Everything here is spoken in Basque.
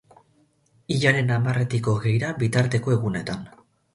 Hilaren hamarretik hogeira bitarteko egunetan.